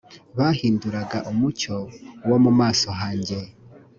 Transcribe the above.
bahinduraga umucyo wo mu maso hanjye .